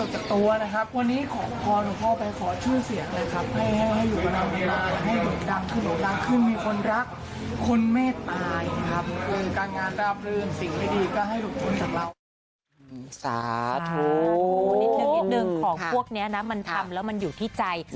นิดนึงของพวกนี้นะมันทำแล้วมันอยู่ที่ใจ